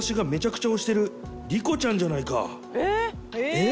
「えっ！」